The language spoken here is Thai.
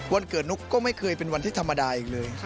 วันเกิดนุ๊กก็ไม่เคยเป็นวันที่ธรรมดาอีกเลย